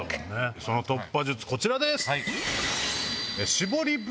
その突破術こちらです。